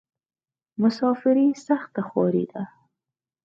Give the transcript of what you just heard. مسافري سخته خواری ده.